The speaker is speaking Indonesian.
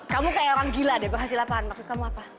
kamu kayak orang gila deh penghasil lapangan maksud kamu apa